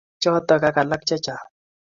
Chotok ak alak chechang.